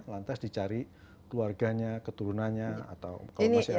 lantas dicari keluarganya keturunannya atau kalau masih ada